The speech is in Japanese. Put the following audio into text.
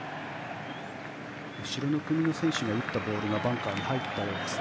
後ろの組の選手が打ったボールがバンカーに入ったようです。